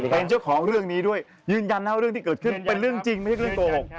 เป็นเจ้าของเรื่องนี้ด้วยยืนยันนะว่าเรื่องที่เกิดขึ้นเป็นเรื่องจริงไม่ใช่เรื่องโกหก